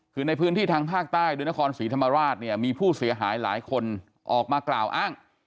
คือในพื้นที่ทางภาคใต้โดยนครศรีธรรมราชเนี่ยมีผู้เสียหายหลายคนออกมากล่าวอ้าง